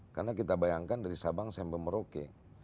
karena kita bayangkan dari sabang sampai merauke